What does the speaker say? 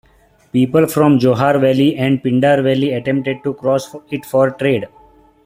People from Johar Valley and Pindar Valley attempted to cross it for trade.